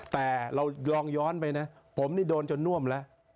แต่เราลองย้อนไปนะผมนี่โดนจนน่วมแล้ว